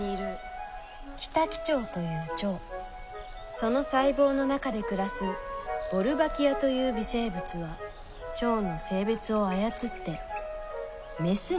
その細胞の中で暮らすボルバキアという微生物はチョウの性別を操ってメスにするんです。